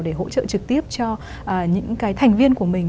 để hỗ trợ trực tiếp cho những cái thành viên của mình